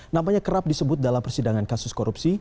namanya kerap disebut dalam persidangan kasus korupsi